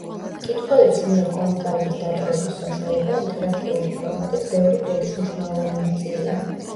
მკითხველების მიერ კომენტარების დატოვების საშუალება ინტერაქტიული ფორმატით ბევრი ბლოგის მნიშვნელოვანი ნაწილია.